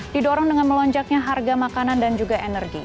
didorong dengan melonjaknya harga makanan dan juga energi